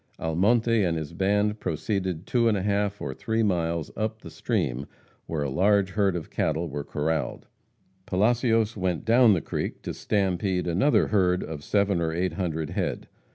Almonte and his band proceeded two and a half or three miles up the stream where a large herd of cattle were corraled. Palacios went down the creek to "stampede" another herd of seven or eight hundred head.